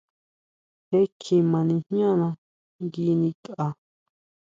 Jee kjima nijñana ngui nikʼa.